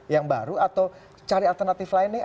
yang baru atau cari alternatif lainnya